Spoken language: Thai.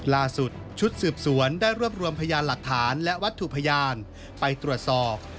ล่าสุดชุดสืบสวนได้รวบรวมพยานหลักฐานและวัตถุพยานไปตรวจสอบ